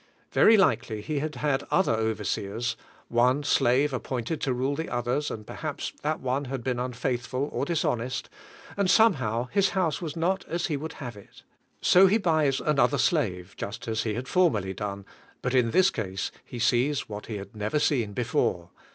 Very likely he had had other overseers, one slave appointed to rule the others, and perhaps that one had been unfaithful, or dishonest, and somehow his house was not as he would have it. THE COMPLETE SURRENDER 103 So he buys another slave, just as he had formerly done, but in this case he sees what he had never seen before.